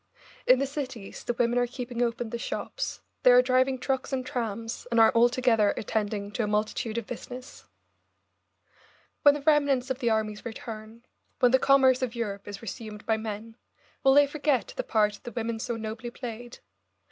In the cities the women are keeping open the shops, they are driving trucks and trams, and are altogether attending to a multitude of business. When the remnants of the armies return, when the commerce of Europe is resumed by men, will they forget the part the women so nobly played?